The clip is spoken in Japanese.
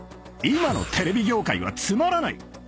「今のテレビ業界はつまらない！」